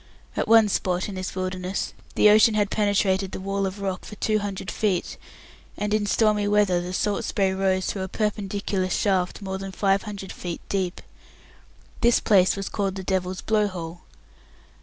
At one spot in this wilderness the ocean had penetrated the wall of rock for two hundred feet, and in stormy weather the salt spray rose through a perpendicular shaft more than five hundred feet deep. This place was called the Devil's Blow hole.